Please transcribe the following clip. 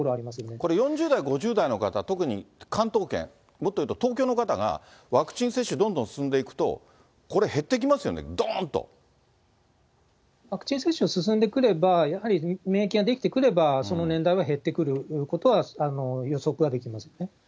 これ４０代５０代の方、特に関東圏、もっと言うと東京の方が、ワクチン接種どんどん進んでいくと、これ減ってきますよね、どーワクチン接種が進んでくれば、やはり免疫が出来てくれば、その年代は減ってくることは予測ができますね。